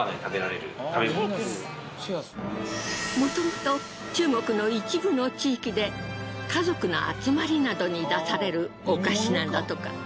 もともと中国の一部の地域で家族の集まりなどに出されるお菓子なんだとか。